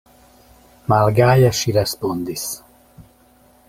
Malgaje ŝi respondis: